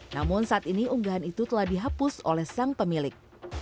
namun saat ini unggahan itu telah dihapus oleh sang pemilik